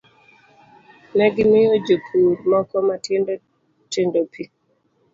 Ne gimiyo jopur moko matindo tindo pi,